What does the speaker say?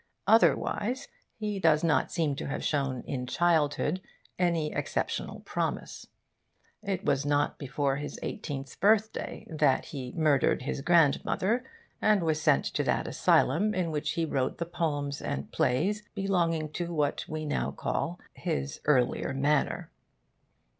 Otherwise he does not seem to have shown in childhood any exceptional promise. It was not before his eighteenth birthday that he murdered his grandmother and was sent to that asylum in which he wrote the poems and plays belonging to what we now call his earlier manner.